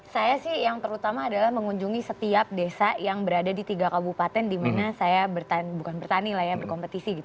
saya sih yang terutama adalah mengunjungi setiap desa yang berada di tiga kabupaten di mana saya bukan bertani lah ya berkompetisi